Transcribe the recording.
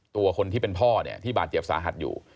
ตัวคนที่เป็นพ่อเนี่ยที่บาดเจ็บสาหัสอยู่